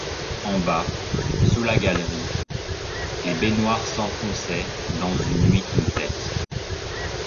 En bas, sous la galerie, les baignoires s'enfonçaient dans une nuit complète.